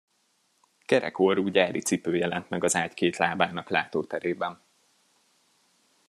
Kerek orrú gyári cipő jelent meg az ágy két lábának látóterében.